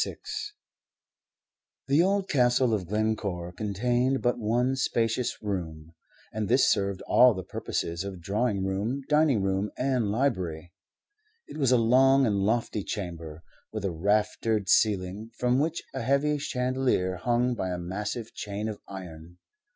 A VISITOR The old Castle of Glencore contained but one spacious room, and this served all the purposes of drawing room, dining room, and library. It was a long and lofty chamber, with a raftered ceiling, from which a heavy chandelier hung by a massive chain of iron.